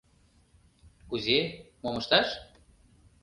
Кузе, мом ышташ?